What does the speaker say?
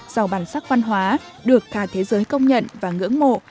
giàu bản sắc văn hóa được cả thế giới công nhận và ngưỡng mộ